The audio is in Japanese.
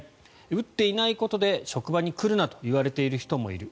打っていないことで職場に来るなと言われている人もいる。